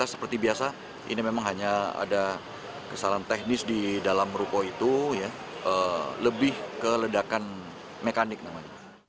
seperti biasa ini memang hanya ada kesalahan teknis di dalam ruko itu lebih ke ledakan mekanik namanya